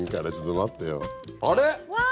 あれ？